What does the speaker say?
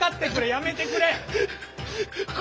やめてくれ！